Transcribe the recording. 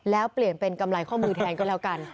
แล้วเปลี่ยนเป็นกำไรข้อมือแทนก็แล้วกัน